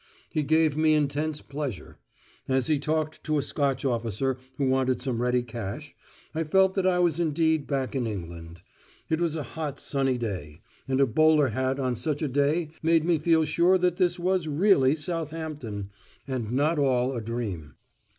He gave me intense pleasure: as he talked to a Scotch officer who wanted some ready cash, I felt that I was indeed back in England. It was a hot sunny day; and a bowler hat on such a day made me feel sure that this was really Southampton, and not all a dream.